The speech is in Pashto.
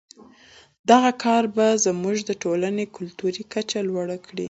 دغه کار به زموږ د ټولنې کلتوري کچه لوړه کړي.